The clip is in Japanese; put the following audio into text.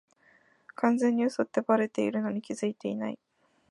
完全に嘘ってバレてるのに気づいてない